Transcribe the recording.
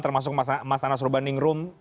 termasuk mas anas urbandingrum